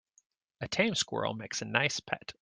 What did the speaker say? A tame squirrel makes a nice pet.